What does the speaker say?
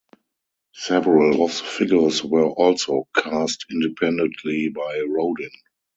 Several of the figures were also cast independently by Rodin.